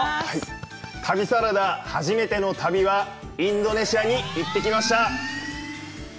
旅サラダ、初めての旅はインドネシアに行ってきました。